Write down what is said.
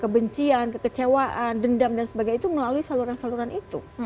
kebencian kekecewaan dendam dan sebagainya itu melalui saluran saluran itu